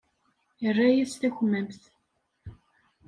Irra-yas takmamt.